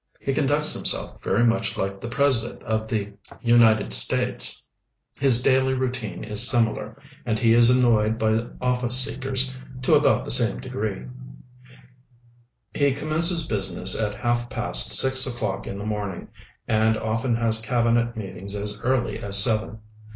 He conducts himself verv much like the President of the HER GOVERNMENT, PEOPLE, AND BOUNDARY 51 United States ; his daily routine is similar, and he is annoyed by office seekers to about the same degree. He commences business at half past six o'clock in the morning, and often has cabinet meetings as early as seven.